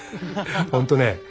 本当ね